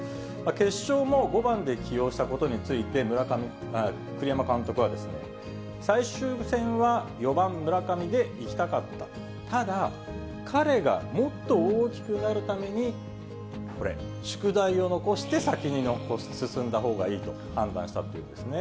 決勝も５番で起用したことについて、栗山監督はですね、最終戦は４番村上でいきたかった。ただ、彼がもっと大きくなるためにこれ、宿題を残して先に進んだほうがいいと判断したというんですね。